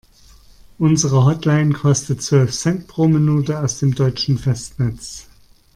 Unsere Hotline kostet zwölf Cent pro Minute aus dem deutschen Festnetz.